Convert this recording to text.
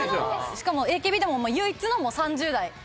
しかもＡＫＢでも唯一の３０代。